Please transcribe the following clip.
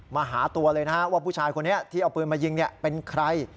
มาหาตัวว่าผู้ชายคนนี้ที่เอาปืนไปยิงเป็นใคร